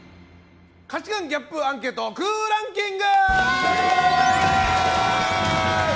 価値観ギャップアンケート空欄キング！